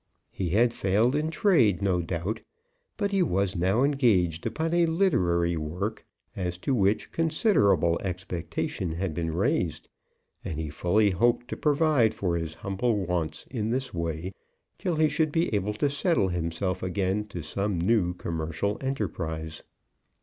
He had failed in trade, no doubt, but he was now engaged upon a literary work, as to which considerable expectation had been raised, and he fully hoped to provide for his humble wants in this way till he should be able to settle himself again to some new commercial enterprise.